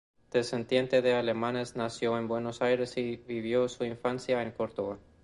Descendiente de alemanes, nació en Buenos Aires y vivió su infancia en Córdoba.